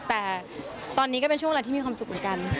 แต่ตอนนี้ก็เป็นช่วงเวลาที่มีความสุขเหมือนกัน